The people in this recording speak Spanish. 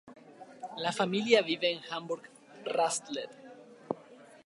La familia vive en Hamburg-Rahlsedt.